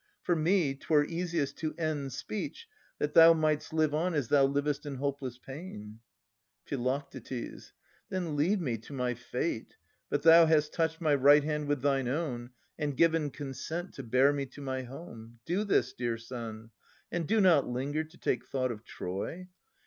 For me, 'twere easiest to end speech, that thou Might'st live on as thou livest in hopeless pain. Phi. Then leave me to my fate !— But thou hast touched My right hand with thine own, and given consent To bear me to my home. Do this, dear son ! And do not linger to take thought of Troy.